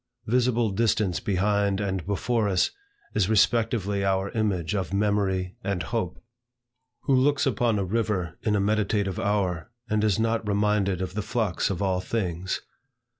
Visible distance behind and before us, is respectively our image of memory and hope. Who looks upon a river in a meditative hour, and is not reminded of the flux of all things?